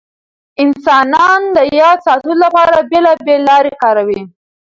انسانان د یاد ساتلو لپاره بېلابېل لارې کاروي.